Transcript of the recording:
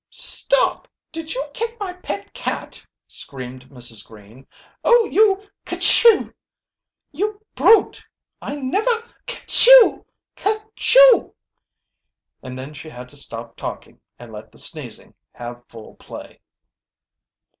"Stop! Did you kick my pet cat?" screamed Mrs. Green. "Oh, you ker chew! You brute! I never ker chew! Ker chew!" And then she had to stop talking and let the sneezing have full play.